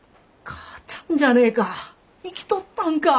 母ちゃんじゃねえか生きとったんか！